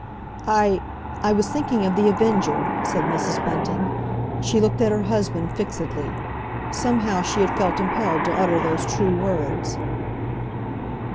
"I—I was thinking of The Avenger," said Mrs. Bunting. She looked at her husband fixedly. Somehow she had felt impelled to utter those true words.